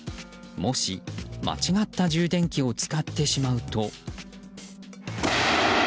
もし間違った充電器を使ってしまうと。